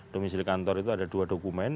domisili kantor itu ada dua dokumen